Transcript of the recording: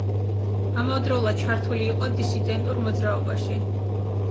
ამავდროულად ჩართული იყო დისიდენტურ მოძრაობაში.